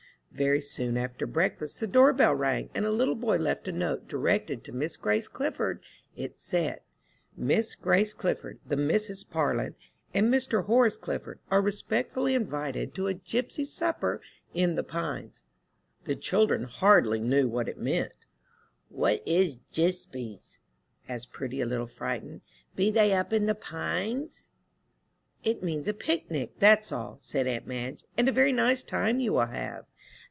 Very soon after breakfast the doorbell rang, and a little boy left a note directed to Miss Grace Clifford. It said, "Miss Grace Clifford, the Misses Parlin, and Mr. Horace Clifford, are respectfully invited to a gypsy supper in the Pines." The children hardly knew what it meant. "What is jispies?" asked Prudy, a little frightened. "Be they up in the Pines?" "It means a picnic, that's all," said aunt Madge, "and a very nice time you will have."